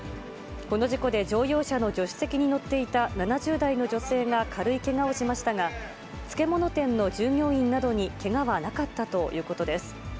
この事故で乗用車の助手席に乗っていた７０代の女性が軽いけがをしましたが、漬物店の従業員などにけがはなかったということです。